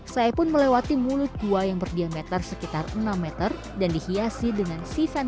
saya pun melewati mulut gua yang berdiameter sekitar enam meter dan dihiasi dengan sisanya